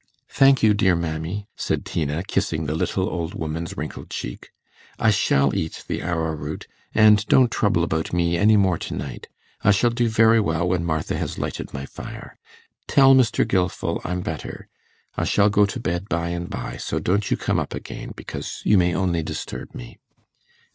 'Thank you, dear mammy,' said Tina, kissing the little old woman's wrinkled cheek; 'I shall eat the arrowroot, and don't trouble about me any more to night. I shall do very well when Martha has lighted my fire. Tell Mr. Gilfil I'm better. I shall go to bed by and by, so don't you come up again, because you may only disturb me.